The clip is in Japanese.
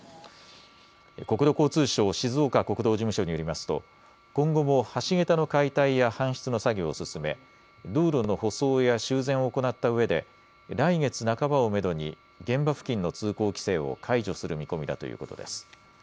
国土交通省静岡国道事務所によりますと今後も橋桁の解体や搬出の作業を進め、道路の舗装や修繕を行ったうえで来月半ばをめどに現場付近の通行規制を解除する見込みだということです。